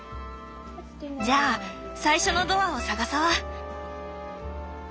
じゃあ最初のドアを探そう。